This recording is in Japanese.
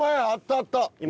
あったあった！